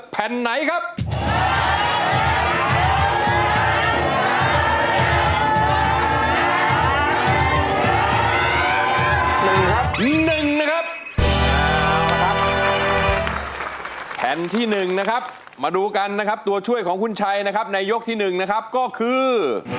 แผ่นไหนครับแผ่นที่๑นะครับมาดูกันนะครับตัวช่วยของคุณชัยนะครับในยกที่๑นะครับก็คือ